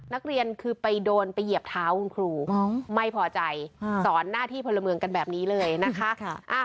นักเรียนคือไปโดนไปเหยียบเท้าคุณครูไม่พอใจสอนหน้าที่พลเมืองกันแบบนี้เลยนะคะ